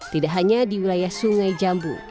tidak hanya di wilayah sungai jambu